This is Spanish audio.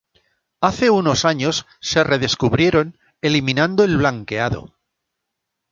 Hace unos años se redescubrieron eliminando el blanqueado.